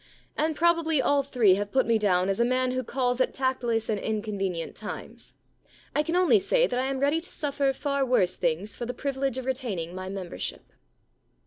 And probably all three have put me down as a man who calls at tactless and inconvenient times. I can only say that I am ready to suffer far worse things for the privilege of retaining my membership.